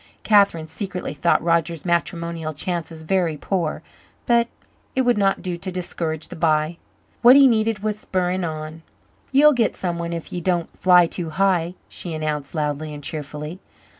Catherine secretly thought Roger's matrimonial chances very poor, but it would not do to discourage the b'y. What he needed was spurring on. "Ye'll git someone if ye don't fly too high," she announced loudly and cheerfully.